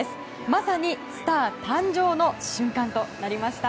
まさにスター誕生の瞬間となりました。